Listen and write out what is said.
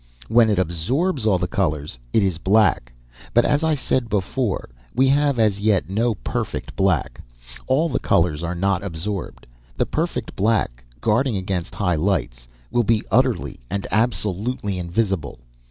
When it absorbs all the colors, it is black. But, as I said before, we have as yet no perfect black. All the colors are not absorbed. The perfect black, guarding against high lights, will be utterly and absolutely invisible.